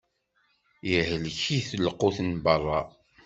Ihlek-it lqut n berra.